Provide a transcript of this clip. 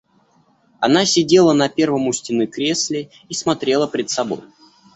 Она сидела на первом у стены кресле и смотрела пред собой.